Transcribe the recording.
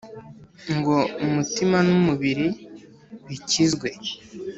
Ngo umutima n'umubiri bikizwe